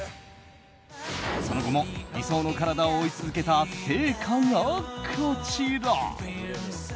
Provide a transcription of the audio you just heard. その後も、理想の体を追い続けた成果がこちら。